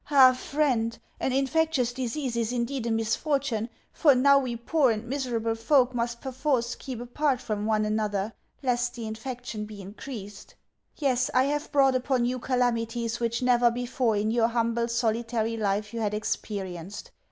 Ah, friend, an infectious disease is indeed a misfortune, for now we poor and miserable folk must perforce keep apart from one another, lest the infection be increased. Yes, I have brought upon you calamities which never before in your humble, solitary life you had experienced.